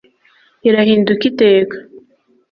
irahinduka iteka